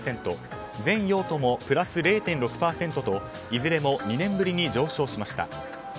全用途もプラス０．６％といずれも２年ぶりに上昇しました。